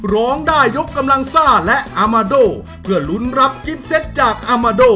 ร้องได้ยกกำลังซ่าและอามาโดเพื่อลุ้นรับกิฟเซ็ตจากอามาโด